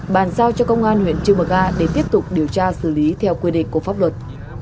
bàn giao cho công an huyện trư mở ga để tiếp tục điều tra xử lý theo quy định của pháp luật